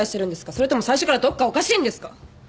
それとも最初からどっかおかしいんですか！？